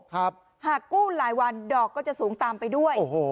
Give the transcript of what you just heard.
หากกู้หลายวันดอกก็จะสูงตามไปด้วยโอ้โห